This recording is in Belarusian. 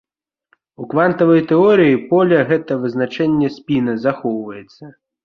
У квантавай тэорыі поля гэта вызначэнне спіна захоўваецца.